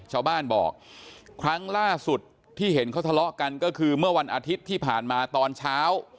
ชาวบ้านบอกครั้งล่าสุดที่เห็นเขาทะเลาะกันก็คือเมื่อวันอาทิตย์ที่ผ่านมาตอนเช้า